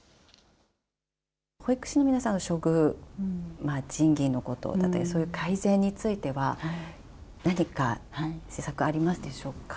保育士の皆さんの処遇、賃金のことだったり、そういう改善については、何か施策ありますでしょうか。